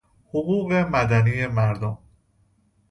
حقوق مدنی مردم